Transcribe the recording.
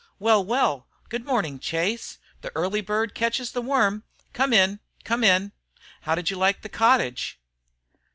"Well, well, good morning, Chase. The early bird catches the worm. Come in, come in. And how'd you like the cottage?"